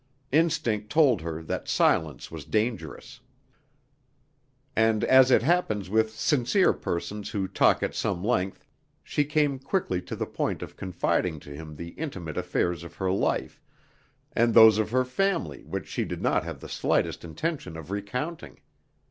Instinct told her that silence was dangerous. And as it happens with sincere persons who talk at some length, she came quickly to the point of confiding to him the intimate affairs of her life and those of her family which she did not have the slightest intention of recounting.